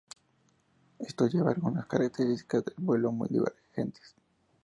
Esto llevó a algunas características de vuelo muy divergentes.